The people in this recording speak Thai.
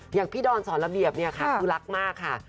อย่างพี่ดอลสอนระเบียบคือรักมากค่ะ